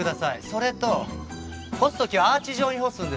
それと干す時はアーチ状に干すんです。